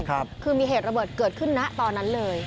คือมีเหตุระเบิดเกิดขึ้นนะตอนนั้นเลย